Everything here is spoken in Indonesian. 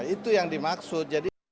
itu yang dimaksud